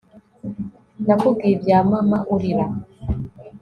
nakubwiye ibya mama urira